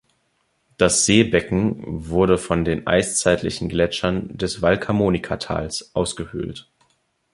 Das Seebecken wurde von den eiszeitlichen Gletschern des Valcamonica-Tals ausgehöhlt.